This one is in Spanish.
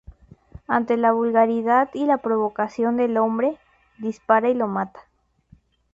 Ante la vulgaridad y la provocación del hombre, dispara y lo mata.